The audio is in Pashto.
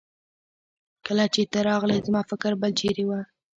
کله چې ته راغلې زما فکر بل چيرې وه.